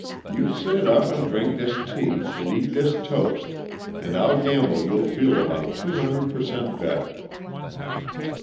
You sit up and drink this tea, and eat this toast, and I'll gamble you'll feel about two hundred per cent better.